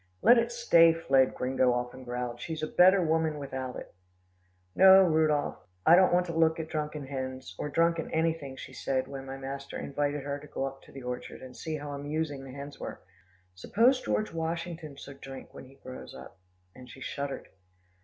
"Let it stay fled," Gringo often growled. "She's a better woman without it." "No, Rudolph, I don't want to look at drunken hens, or drunken anything," she said, when my master invited her to go up to the orchard, and see how amusing the hens were. "Suppose George Washington should drink when he grows up," and she shuddered.